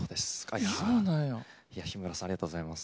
いや日村さんありがとうございます。